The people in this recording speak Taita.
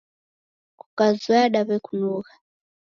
Kukazoya, daw'ekunugha